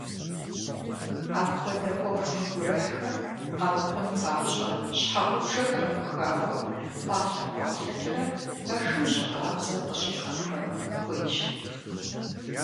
Апхуэдэ Ӏуэху мыгурыхьхэр къэмыхъун папщӀэ, щхьэгъубжэхэр Ӏухауэ, пӀалъэ-пӀалъэкӀэрэ пэшым жьы къабзэ къыщӀегъэхуэн хуейщ.